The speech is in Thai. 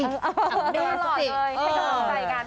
ให้กับมั่งใจกัน